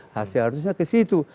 hasil harusnya ke situ